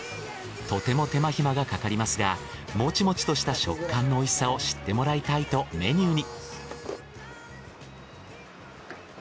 とても手間ひまがかかりますがモチモチとした食感の美味しさを知ってもらいたいとメニューに。